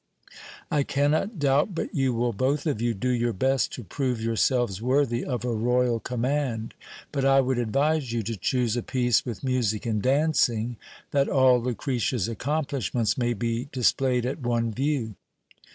I cannot doubt but you will both of you do your best to prove yourselves worthy of a royal command ; but I would advise you to choose a piece with music and dancing, that all Lucretia's accomplishments may be dis played at one view.